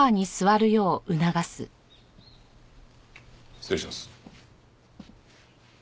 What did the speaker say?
失礼します。